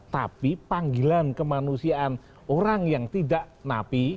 tapi panggilan kemanusiaan orang yang tidak napi